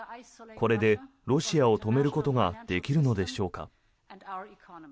これでロシアを止めることができるのでしょうか。